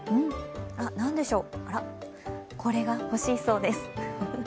なんでしょう、あらっ、これが欲しいそうです。